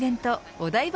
お台場